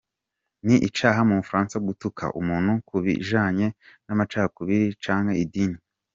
Ni icaha mu Bufaransa gutuka umuntu ku bijanye n'amacakubiri canke idini.